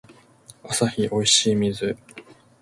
アサヒおいしい水